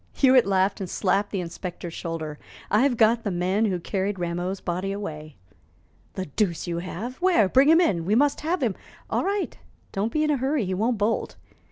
Hewitt laughed and slapped the inspector's shoulder. "I've got the man who carried Rameau's body away!" "The deuce you have! Where? Bring him in. We must have him " "All right, don't be in a hurry; he won't bolt."